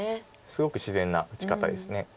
すごく自然な打ち方です。